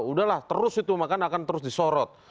udahlah terus itu makanya akan terus disorot